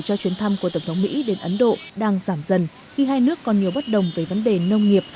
cho chuyến thăm của tổng thống mỹ đến ấn độ đang giảm dần khi hai nước còn nhiều bất đồng về vấn đề nông nghiệp